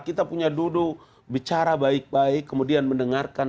kita punya duduk bicara baik baik kemudian mendengarkan